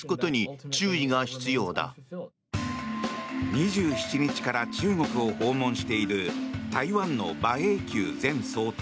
２７日から中国を訪問している台湾の馬英九前総統。